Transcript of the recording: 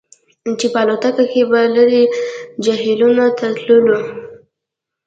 چې په الوتکه کې به لرې جهیلونو ته تللو